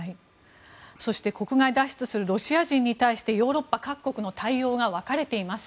そして国外脱出するロシア人に対してヨーロッパ各国の対応が分かれています。